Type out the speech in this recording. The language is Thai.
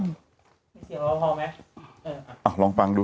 อ้าวลองฟังดู